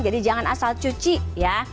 jadi jangan asal cuci ya